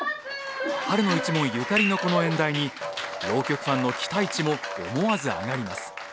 春野一門ゆかりのこの演題に浪曲ファンの期待値も思わず上がります。